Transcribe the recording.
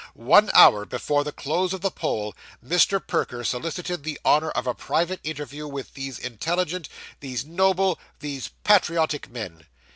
One hour before the close of the poll, Mr. Perker solicited the honour of a private interview with these intelligent, these noble, these patriotic men.